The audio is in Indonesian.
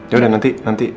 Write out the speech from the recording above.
ya udah nanti